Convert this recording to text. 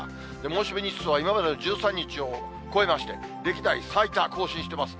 猛暑日日数は今までの１３日を超えまして、歴代最多更新してます。